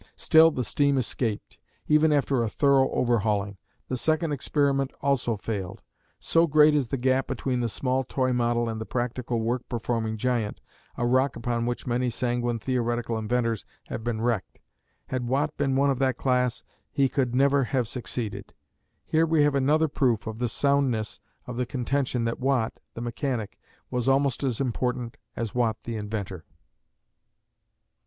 Still the steam escaped, even after a thorough overhauling. The second experiment also failed. So great is the gap between the small toy model and the practical work performing giant, a rock upon which many sanguine theoretical inventors have been wrecked! Had Watt been one of that class, he could never have succeeded. Here we have another proof of the soundness of the contention that Watt, the mechanic, was almost as important as Watt the inventor.